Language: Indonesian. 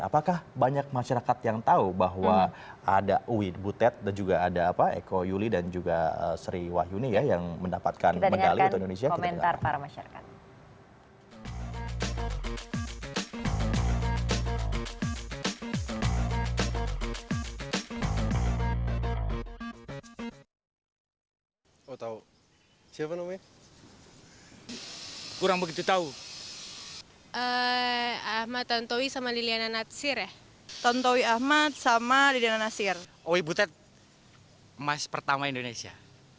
apakah banyak masyarakat yang tahu bahwa ada uwi butet dan juga ada eko yuli dan juga sri wahyuni yang mendapatkan medali untuk indonesia